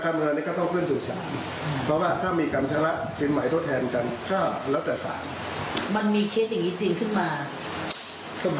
ถ้าเกิดเขาเรียกรับเองนะแต่ถ้าเขาคนอื่นพูดก็ต้องไล่กับเขาที่จริง